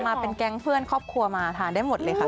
มาเป็นแก๊งเพื่อนครอบครัวมาทานได้หมดเลยค่ะ